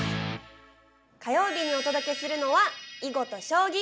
火曜日にお届けするのは囲碁と将棋。